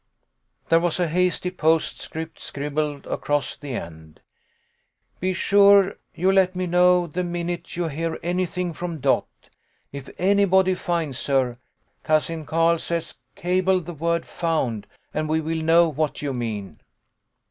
There was a hasty postscript scribbled across the end. "Be sure you let me know the minute you hear anything from Dot. If anybody finds her, Cousin Carl says cable the word 'found,' and we will know what you mean."